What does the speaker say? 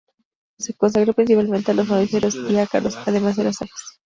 Se consagró principalmente a los mamíferos y ácaros, además de las aves.